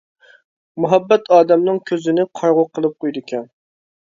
مۇھەببەت ئادەمنىڭ كۆزىنى قارىغۇ قىلىپ قويىدىكەن.